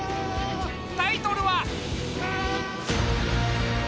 タイトルは。